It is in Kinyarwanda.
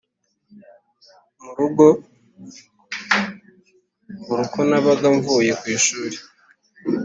murugo buruko nabaga mvuye kwishuri